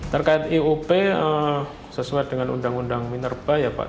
terkait iup sesuai dengan undang undang minerba ya pak